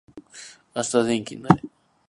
明日天気になれ